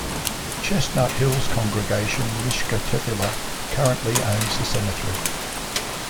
Chestnut Hill's Congregation Mishka Tefila currently owns the cemetery.